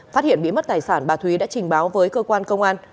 phát hiện bị mất tài sản bà thúy đã trình báo với cơ quan công an